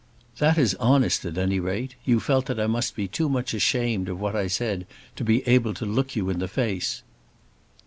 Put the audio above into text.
"That is honest at any rate. You felt that I must be too much ashamed of what I said to be able to look you in the face."